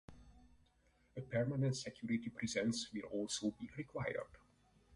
A permanent security presence will also be required.